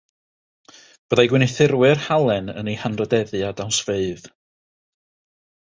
Byddai gwneuthurwyr halen yn ei hanrhydeddu â dawnsfeydd.